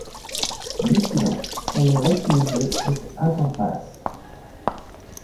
En Occident, son nom latinisé est Avempace.